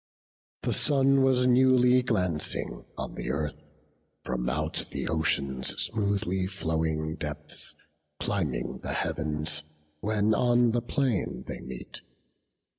The sun was newly glancing on the earth. From out the ocean's smoothly flowing depths Climbing the Heav'ns, when on the plain they met.